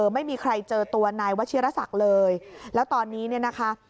ไม่มีใครเจอตัวนายว่าเชียรษักเลยแล้วตอนนี้นะคะ